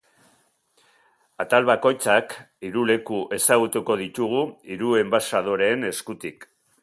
Atal bakoitzak hiru leku ezagutuko ditugu hiru enbaxadoreren eskutik.